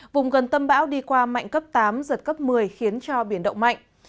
vùng gần tâm bão đi qua mạnh cấp tám giật cấp một mươi khiến cho biển động mạnh